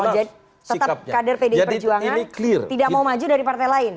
jadi tetap kader pdip perjuangan tidak mau maju dari partai lain